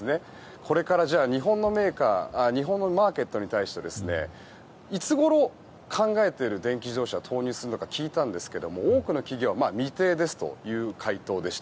これから日本のマーケットに対していつごろ考えている電気自動車を導入するか聞いたんですが多くの企業は未定ですという回答でした。